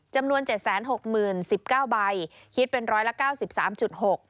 จำนวน๗๖๐๐๑๙ใบคิดเป็น๑๙๓๖ล้านบาท